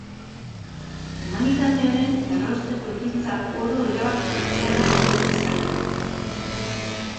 Humanitatearen errausteko ekintza oro erabat hutsala iruditzen zaio.